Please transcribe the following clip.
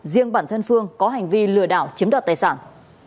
riêng bản thân phương có hành vi lừa đảo chiếm đoạt tài sản